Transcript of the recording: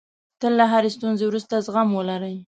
تل له هرې ستونزې وروسته زغم ولرئ.